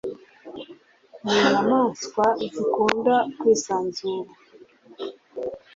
n’inyamaswa zikunda kwisanzura